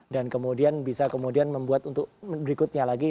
dan kemudian bisa kemudian membuat untuk berikutnya lagi